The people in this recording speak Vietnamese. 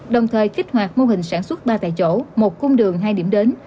đồng thời kích hoạt mô hình sản xuất ba tại chỗ một cung đường hai điểm đến